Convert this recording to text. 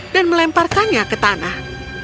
dan meletakkannya ke tanah